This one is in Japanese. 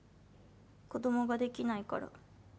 子供ができないから。